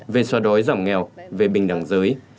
về xóa đói giảm nghèo về bình đẳng giới